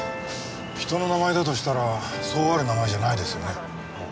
人の名前だとしたらそうある名前じゃないですよね。